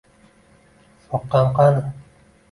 Soqqam qani?